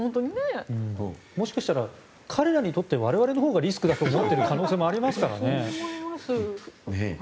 もしかして彼らにとって我々のほうがリスクだと思っている可能性もありますからね。